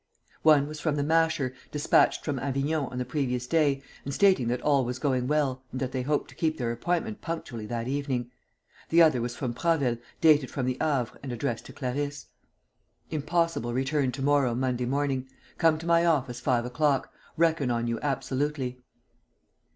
One was from the Masher, dispatched from Avignon on the previous day and stating that all was going well and that they hoped to keep their appointment punctually that evening. The other was from Prasville, dated from the Havre and addressed to Clarisse: "Impossible return to morrow Monday morning. Come to my office five o'clock. Reckon on you absolutely."